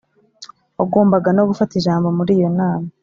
wagombaga no gufata ijambo muri iyo nama.